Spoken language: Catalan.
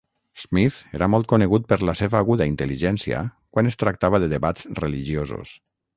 Smith era molt conegut per la seva aguda intel·ligència quan es tractava de debats religiosos.